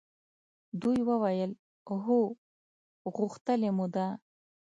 دوی وویل هو! غوښتلې مو ده.